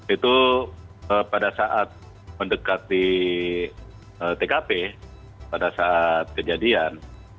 itu pada saat mendekati tkp pada saat kejadian